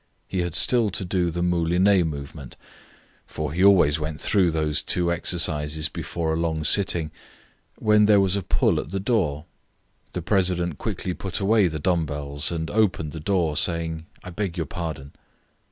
He had still to do the moulinee movement (for he always went through those two exercises before a long sitting), when there was a pull at the door. The president quickly put away the dumb bells and opened the door, saying, "I beg your pardon."